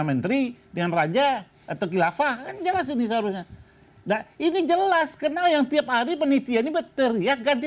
menteri dengan raja atau kilafah ini jelas kenal yang tiap hari penelitian ini berteriak ganti